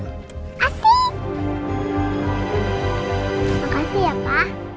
makasih ya pak